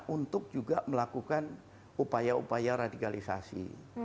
untuk juga melakukan upaya upaya radikalisasi